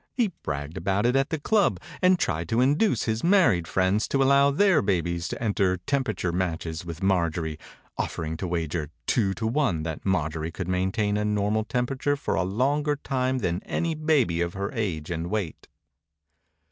He bragged about it at the club and tried to induce his married friends to allow their babies to enter tem perature matches with Marjorie, offering to wager two to one that Marjorie could maintain a normal temperature for a longer time than any baby of her age and weight.